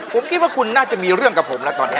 ผมคิดว่าคุณน่าจะมีเรื่องกับผมแล้วตอนนี้